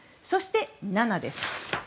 そして、７です。